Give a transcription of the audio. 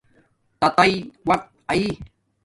تاتاݵ اقت آݵ